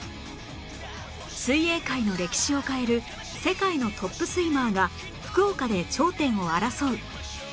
水泳界の歴史を変える世界のトップスイマーが福岡で頂点を争う！